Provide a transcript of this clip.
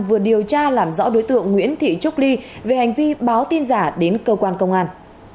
vừa điều tra làm rõ đối tượng nguyễn thị trúc ly về hành vi báo tin giả đến cơ quan công an